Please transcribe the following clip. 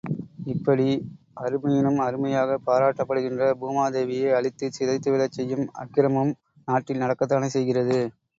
இப்படி அருமையினும் அருமையாகப் பாராட்டப்படுகின்ற பூமாதேவியை அழித்துச் சிதைத்துவிடச் செய்யும் அக்கிரமமும் நாட்டில் நடக்கத் தானே செய்கிறது.